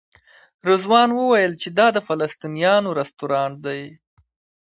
رضوان وویل چې دا د فلسطینیانو رسټورانټ دی.